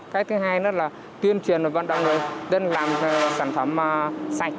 cái thứ hai nó là tuyên truyền vào văn đồng người nên làm sản phẩm sạch